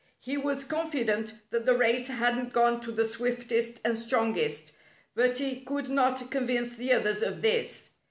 He was confident that the race hadn't gone to the swiftest and strongest, but he could not convince the others of this.